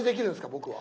僕は？